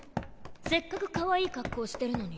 せっかくかわいい格好してるのに。